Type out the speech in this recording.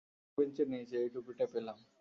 ওয়ার্কবেঞ্চের নিচে এই টুপিটা পেলাম।